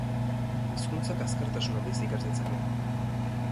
Hizkuntzak azkartasun handiz ikas ditzake.